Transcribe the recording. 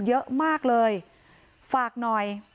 เยอะมากเลยฝากหน่อย